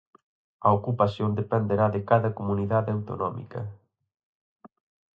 A ocupación dependerá de cada comunidade autonómica.